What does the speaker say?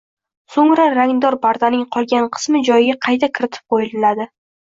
So‘ngra rangdor pardaning qolgan qismi joyiga qayta kiritib qo‘yilandi